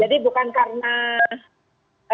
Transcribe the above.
jadi itu sudah dianggap sebagai pengungsi